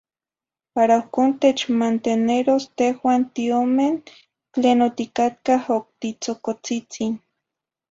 Para ohcon techmanteneroz tehuan tiomen tlen oticatcah octitzocotzitzin